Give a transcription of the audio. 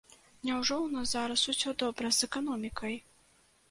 Няўжо ў нас зараз усё добра з эканомікай?